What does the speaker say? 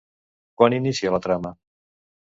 Quan inicia la trama?